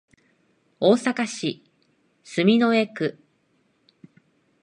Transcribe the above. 大阪市住之江区